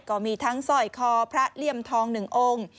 ก็มีทั้งสร้อยคอพระเลี่ยมทอง๑องค์